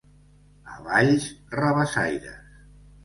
A Valls, rabassaires.